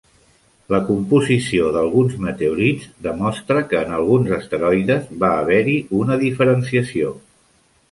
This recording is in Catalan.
La composició d'alguns meteorits demostra que en alguns asteroides va haver-hi una diferenciació.